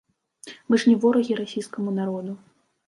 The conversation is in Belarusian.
Мы ж не ворагі расійскаму народу.